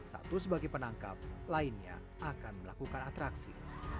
satu sebagai penangkap lainnya akan melakukan atraksi